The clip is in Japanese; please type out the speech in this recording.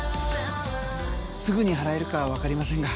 すぐに払えるかわかりませんが。